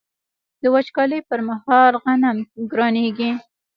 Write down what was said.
د وچکالۍ پر مهال غنم ګرانیږي.